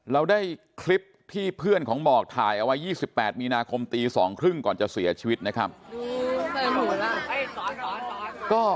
เราได้คลิปที่เพื่อนของบอกถ่ายเอาไว้๒๘มีนาคมตี๒๓๐ก่อนจะเสียชีวิตนะครับ